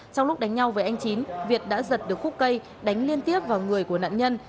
trong lúc đánh nhau với anh chín việt đã giật được khúc cây đánh liên tiếp vào người của nạn nhân